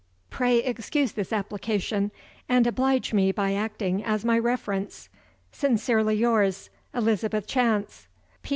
Pray excuse this application, and oblige me by acting as my reference. "Sincerely yours, "ELIZABETH CHANCE."